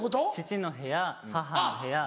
父の部屋母の部屋。